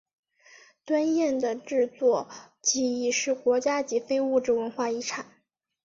端砚的制作技艺是国家级非物质文化遗产。